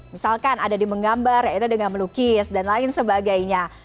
misalkan ada di menggambar yaitu dengan melukis dan lain sebagainya